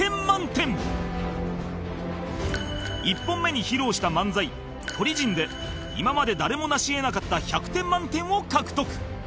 １本目に披露した漫才「鳥人」で今まで誰も成し得なかった１００点満点を獲得